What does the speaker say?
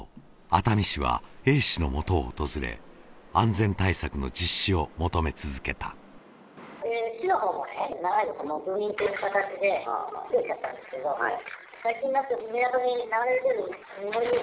熱海市はＡ氏のもとを訪れ安全対策の実施を求め続けたそうですね